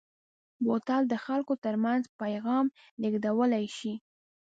بوتل د خلکو ترمنځ پیغام لېږدولی شي.